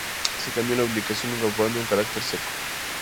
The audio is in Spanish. Se cambió la lubricación, incorporando un cárter seco.